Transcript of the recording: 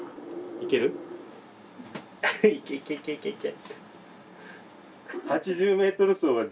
いけいけいけいけ！